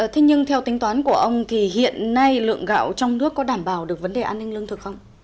thế nhưng theo tính toán của ông thì hiện nay lượng gạo trong nước có đảm bảo được vấn đề an ninh lương thực không